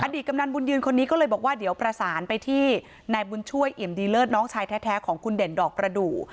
ตกำนันบุญยืนคนนี้ก็เลยบอกว่าเดี๋ยวประสานไปที่นายบุญช่วยเอี่ยมดีเลิศน้องชายแท้ของคุณเด่นดอกประดูก